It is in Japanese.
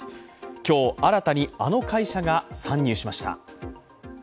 今日、新たにあの会社が参入しました。